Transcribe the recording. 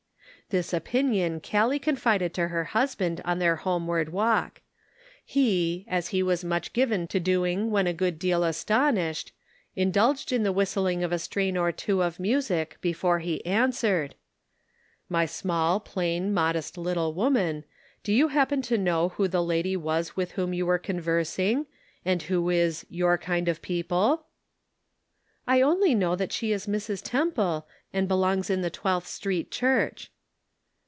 This opinion Callie confided to her husband on their homeward walk. He, as he was much given to doing when a good deal astonished, indulged in the whistling of a strain or two of music before he answered :" My small, plain, modest little woman, do you happen to know who the lady was with whom you were conversing, and who is 'your kind of people ?'" Subtle Distinctions. 149 " I only know that she is Mrs. Temple, and belongs in the Twelfth Street Church.